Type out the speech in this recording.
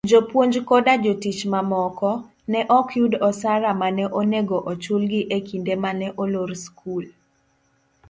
jopuonj koda jotich mamoko, ne okyud osara mane onego ochulgi ekinde mane olor skul.